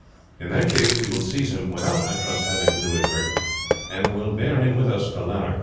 In that case we will seize him, without, I trust, having to do him hurt, and will bear him with us to Lanark.